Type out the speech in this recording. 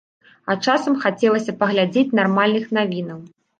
А часам хацелася паглядзець нармальных навінаў.